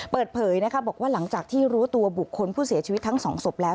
เปิดเผยบอกว่าหลังจากที่รู้ตัวบุคคลผู้เสียชีวิตทั้งสองศพแล้ว